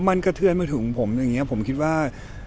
มันกระเทือนมาถึงผมอย่างนี้ผมคิดว่า